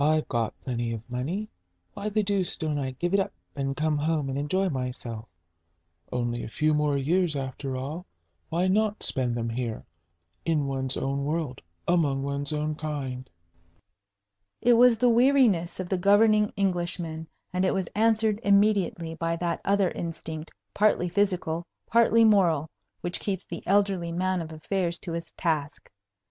"I've got plenty of money; why the deuce don't I give it up, and come home and enjoy myself? Only a few more years, after all; why not spend them here, in one's own world, among one's own kind?" It was the weariness of the governing Englishman, and it was answered immediately by that other instinct, partly physical, partly moral, which keeps the elderly man of affairs to his task.